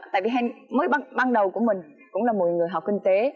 tại vì mới ban đầu của mình cũng là một người học kinh tế